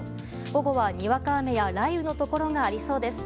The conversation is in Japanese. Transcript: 午後は、にわか雨や雷雨のところがありそうです。